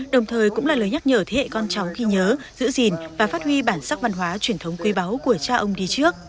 đồng thời cũng là lời nhắc nhở thế hệ con cháu ghi nhớ giữ gìn và phát huy bản sắc văn hóa truyền thống quý báu của cha ông đi trước